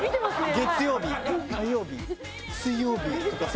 「月曜日」「火曜日」「水曜日」とかさ。